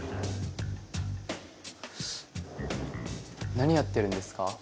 何やってるんですか？